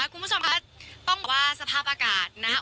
คุณผู้ชมคะต้องบอกว่าสภาพอากาศนะครับ